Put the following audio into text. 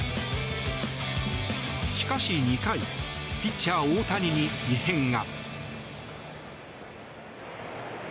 しかし、２回ピッチャー・大谷に異変が。